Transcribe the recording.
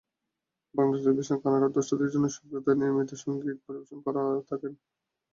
Bangla television কানাডার দর্শকদের জন্য সুব্রত নিয়মিত সংগীত পরিবেশন করে থাকেন।